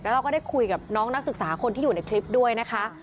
เราก็ได้คุยกับน้องนักศึกษาคนที่อยู่ในคลิปด้วยนะคะ